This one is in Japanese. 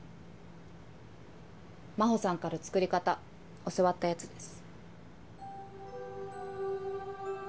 真帆さんから作り方教わったやつです。